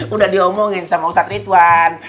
udah diomongin sama ustadz ridwan